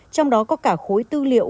trong đó có cả khối tư liệu